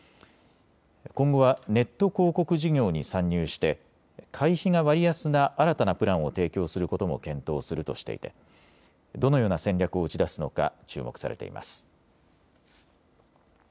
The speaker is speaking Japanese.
今後はネット広告事業に参入して会費が割安な新たなプランを提供することも検討するとしていてどのような戦略を打ち出すのか注目されています。